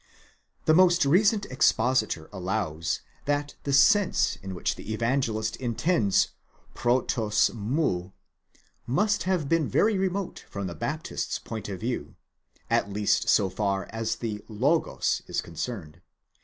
'The most recent expositor allows that the sense in which the Evangelist intends πρῶτος μοῦ, must have been very remote from the Baptist's point of view, at least so far as the Adyos is concerned.